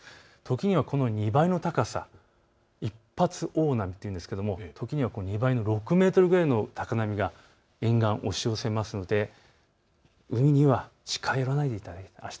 ときにはこの２倍の高さ、一発大波というんですがときには２倍の６メートルぐらいの高波が沿岸に押し寄せるので海には近寄らないでいただきたいと思います。